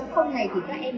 ngành tài nguyên môi trường